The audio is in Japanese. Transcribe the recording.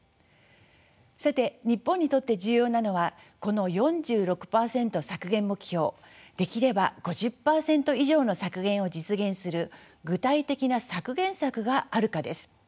さて日本にとって重要なのはこの４６％削減目標できれば５０％以上の削減を実現する具体的な削減策があるかです。